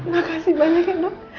makasih banyak ya dok